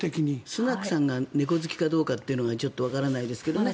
スナクさんが猫好きかどうかっていうのがちょっとわからないですけどね。